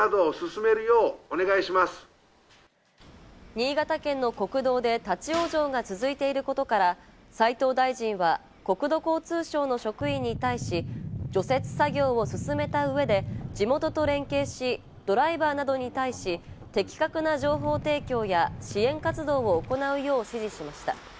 新潟県の国道で立ち往生が続いていることから、斉藤大臣は国土交通省の職員に対し、除雪作業を進めた上で地元と連携し、ドライバーなどに対し、的確な情報提供や支援活動を行うよう指示しました。